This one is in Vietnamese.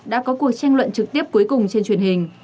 đã có cuộc tranh luận trực tiếp cuối cùng trên truyền hình